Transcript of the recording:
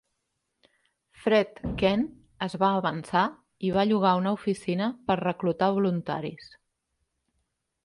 Fred Kent es va avançar i va llogar una oficina per reclutar voluntaris.